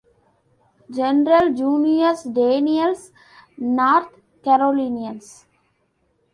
General Junius Daniel's North Carolinians.